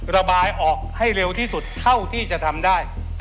ระบายออกให้เร็วที่สุดเท่าที่จะทำได้